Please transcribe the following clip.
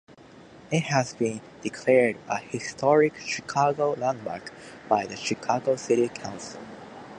It has been declared a historic Chicago Landmark by the Chicago City Council.